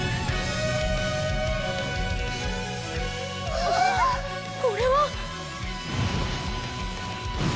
あぁこれは！